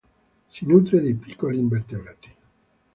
Si nutre di piccoli invertebrati.